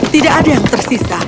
tidak ada yang tersisa